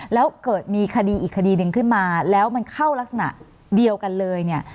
แล้วเกิดมีคดีอีกคดีหนึ่งขึ้นมาแล้วมันเข้ารักษณะเดียวกันเลยเนี่ย